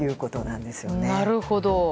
なるほど。